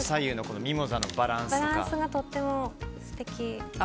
バランスがとっても素敵。